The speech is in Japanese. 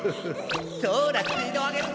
そらスピードあげるぞ！